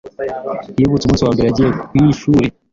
Yibutse umunsi wa mbere yagiye ku ishuri.